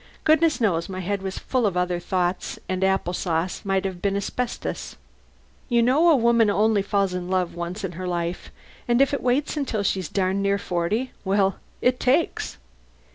Goodness knows, my head was full of other thoughts and the apple sauce might have been asbestos. You know, a woman only falls in love once in her life, and if it waits until she's darn near forty well, it _takes!